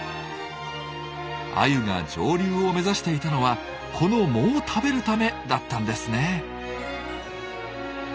アユが上流を目指していたのはこの藻を食べるためだったんですね。